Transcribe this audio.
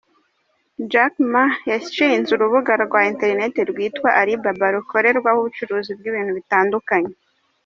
Jack Ma yashinze urubuga rwa interineti rwitwa "Alibaba" rukorerwaho ubucuruzi bw’ibintu bitandukanye.